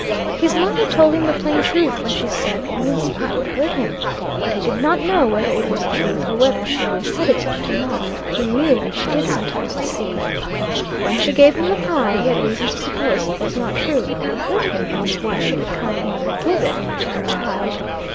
His mother told him the plain truth, when she said the mince pie would hurt him; but he did not know whether it was the truth, or whether she only said it to put him off; for he knew that she did sometimes deceive. When she gave him the pie, he had reason to suppose it was not true it would hurt him else why should a kind mother give it to her child?